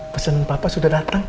pesen papa sudah dateng